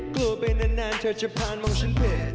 กลัวไปนานเธอจะผ่านมองฉันไป